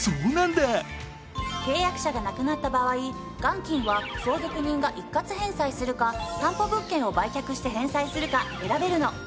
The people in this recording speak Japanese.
契約者が亡くなった場合元金は相続人が一括返済するか担保物件を売却して返済するか選べるの！